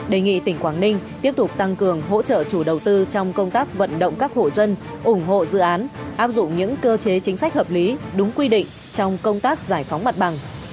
đề nghị tỉnh quảng ninh tiếp tục tăng cường hỗ trợ chủ đầu tư trong công tác vận động các hộ dân ủng hộ dự án áp dụng những cơ chế chính sách hợp lý đúng quy định trong công tác giải phóng mặt bằng